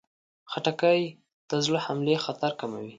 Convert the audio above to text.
خټکی د زړه حملې خطر کموي.